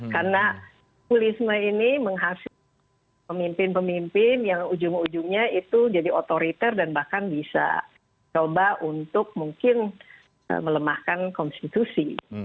karena populisme ini menghasilkan pemimpin pemimpin yang ujung ujungnya itu jadi otoriter dan bahkan bisa coba untuk mungkin melemahkan konstitusi